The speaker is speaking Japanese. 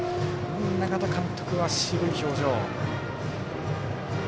永田監督は渋い表情。